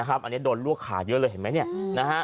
อันนี้โดนลวกขาเยอะเลยเห็นไหม